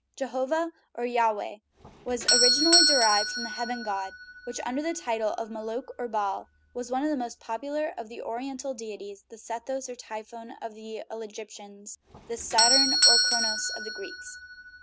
Jehovah, or Yahveh, was originally derived from the heaven god, which, under the title of Moloch or Baal, was one of the most popular of the Oriental deities (the Sethos or Typhon of the Egyptians, and the Saturn or Cronos of the Greeks).